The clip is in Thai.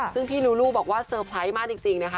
ซึ่งพี่ลูลูบอกว่าเตอร์ไพรส์มากจริงนะคะ